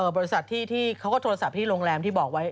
บริษัทที่เขาก็โทรศัพท์ที่โรงแรมที่บอกไว้